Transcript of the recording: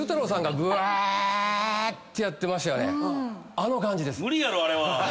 あの感じです。